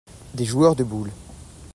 des joueurs de boules.